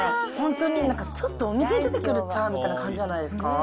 本当になんかちょっとお店で出てくるチャーハンみたいな感じじゃないですか？